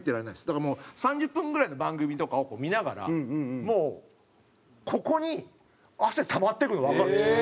だからもう３０分ぐらいの番組とかを見ながらもうここに汗たまっていくのわかるんですよ。